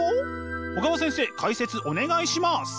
小川先生解説お願いします。